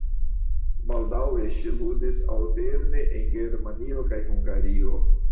Baldaŭe ŝi ludis alterne en Germanio kaj Hungario.